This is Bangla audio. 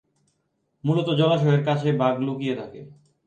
মুলত জলাশয়ের কাছে বাঘ লুকিয়ে থাকে।